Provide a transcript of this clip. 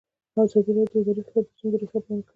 ازادي راډیو د اداري فساد د ستونزو رېښه بیان کړې.